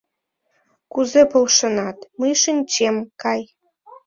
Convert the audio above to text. — Кузе полшенат, мый шинчем, кай!